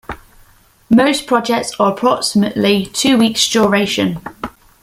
Most projects are approximately two weeks duration.